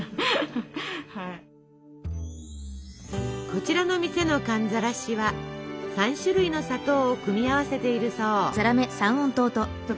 こちらの店の寒ざらしは３種類の砂糖を組み合わせているそう。